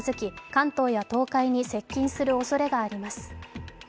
関東や東海に接近するおそれがあります。